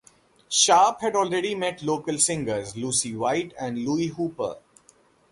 Sharp had already met local singers Lucy White and Louie Hooper.